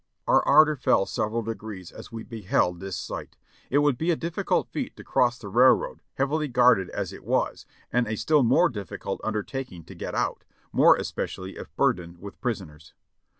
Our ardor fell several degrees as we beheld this sight. It would be a difficult feat to cross the railroad, heavily guarded as it was, and a still more dif^cult undertaking to get out. more especially if burdened with prisoners.